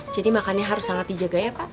jadi makannya harus sangat dijaga ya pak